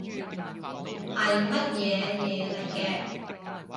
係乜嘢嘢嚟嘅